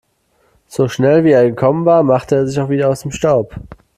So schnell, wie er gekommen war, machte er sich auch wieder aus dem Staub.